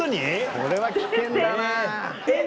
それは危険だな。